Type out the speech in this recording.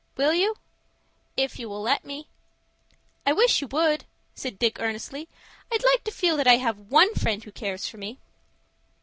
"Will you?" "If you will let me." "I wish you would," said Dick, earnestly. "I'd like to feel that I have one friend who cares for me."